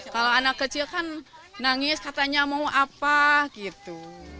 kalau anak kecil kan nangis katanya mau apa gitu